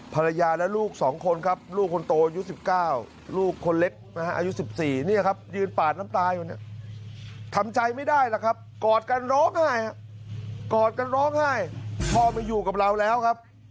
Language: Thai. ภรรยาและลูก๒คนครับลูกคนโตอายุ๑๙ลูกคนเล็ก